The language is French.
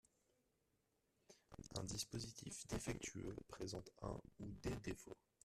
Un dispositif défectueux présente un ou des défauts.